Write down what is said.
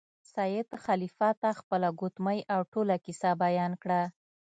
سید خلیفه ته خپله ګوتمۍ او ټوله کیسه بیان کړه.